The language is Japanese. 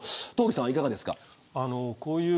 東儀さんいかがですか。